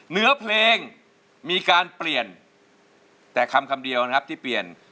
เนื้อเพลงมีการเปลี่ยนแต่คำคำเดียวนะครับที่เปลี่ยน